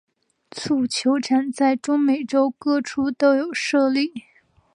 蹴球场在中美洲各处都有设立。